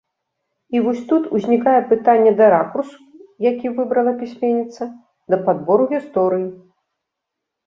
І вось тут узнікае пытанне да ракурсу, які выбрала пісьменніца, да падбору гісторый.